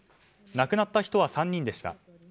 亡くなった人は３人でした。